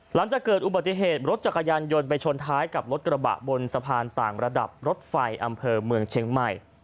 หลังจากเกิดอุบัติเหตุรถจักรยานยนต์ไปชนท้ายกับรถกระบะบนสะพานต่างระดับรถไฟอำเภอเมืองเชียงใหม่